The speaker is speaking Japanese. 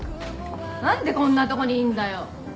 何でこんなとこにいんだよ！